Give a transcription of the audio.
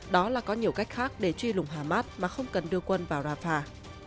đó là có nhiều cách khác để truy lùng hamas mà không cần đưa quân vào rafah